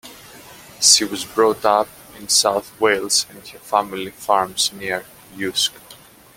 She was brought up in South Wales and her family farms near Usk.